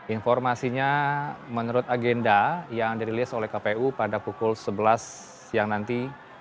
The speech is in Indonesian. informasinya menurut agenda yang dirilis oleh kpu pada pukul sebelas siang nanti